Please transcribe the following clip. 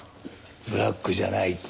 ブラックじゃないって。